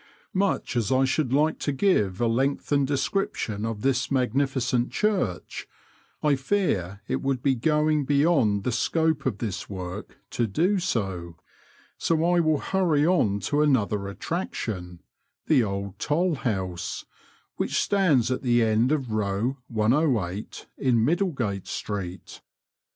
Much as I should like to give a lengthened description of this magnificent church, I fear it would be going beyond the scope of this work to do so, so I will hurry on to another attraction — the Old Toll House, which stands at the end of Eow 108, in Middlegate street.